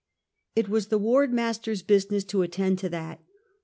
It was the ward master's business to attend to that.